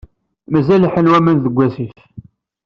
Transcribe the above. Mazal leḥḥun waman deg asif.